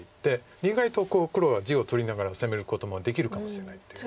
意外と黒が地を取りながら攻めることもできるかもしれないという上辺の。